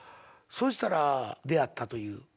そしたら出合ったという。